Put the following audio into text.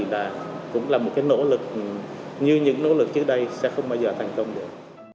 và cũng là một cái nỗ lực như những nỗ lực trước đây sẽ không bao giờ thành công được